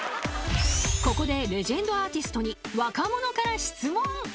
［ここでレジェンドアーティストに若者から質問］